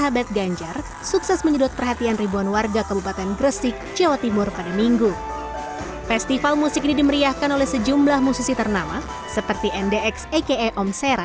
pesta rakyat ganjar pranowo